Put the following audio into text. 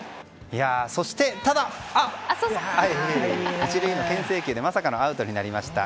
そして、ただ１塁への牽制球でまさかのアウトになりました。